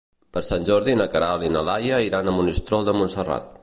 Per Sant Jordi na Queralt i na Laia iran a Monistrol de Montserrat.